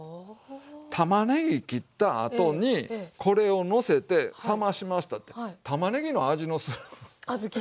たまねぎ切ったあとにこれをのせて冷ましましたってたまねぎの味のする小豆に。